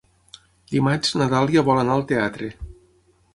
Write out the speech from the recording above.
Dimarts na Dàlia vol anar al teatre.